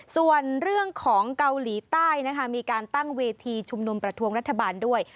ส่วนเรื่องของเกาหลีใต้นะคะมีการตั้งเวทีชุมนุมประท้วงรัฐบาลด้วย